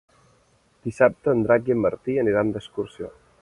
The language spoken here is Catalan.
Dissabte en Drac i en Martí aniran d'excursió.